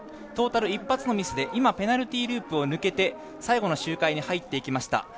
トータル１発のミスでペナルティーループを抜けて最後の周回に入ってきました。